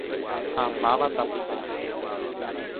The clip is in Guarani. Ha mávatapiko.